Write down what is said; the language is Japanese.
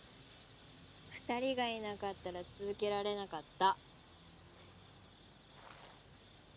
２人がいなかったら続けられなかった。